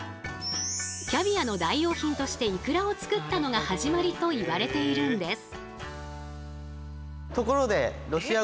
キャビアの代用品としていくらを作ったのが始まりといわれているんです。